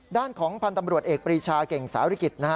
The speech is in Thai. ด้านของพันธุ์ตำรวจเอกปรีชาเก่งสาวฤกษ์